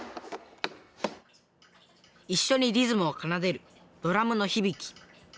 一緒にリズムを奏でるドラムのひびき。